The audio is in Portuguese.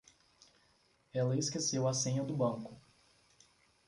Ela esqueceu a senha do banco.